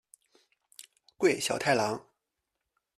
桂小太郎。